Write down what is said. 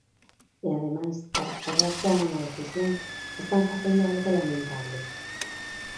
E ademais, para aferrarse a unha decisión, están facendo algo lamentable.